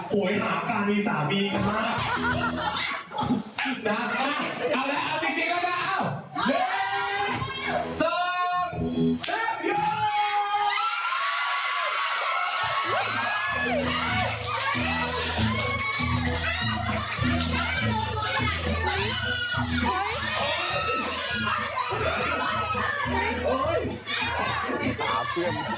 คือมันก็เป็นความ